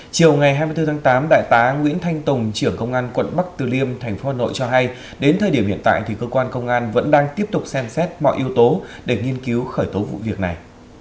chiều ngày hai mươi bốn tháng tám đại tá nguyễn thanh tùng trưởng công an quận bắc từ liêm thành phố hà nội cho hay đến thời điểm hiện tại thì cơ quan công an vẫn đang tiếp tục xem xét mọi yếu tố để nghiên cứu khởi tố vụ việc này